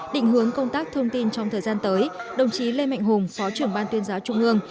định hướng công tác thông tin trong thời gian tới đồng chí lê mạnh hùng phó trưởng ban tuyên giáo trung ương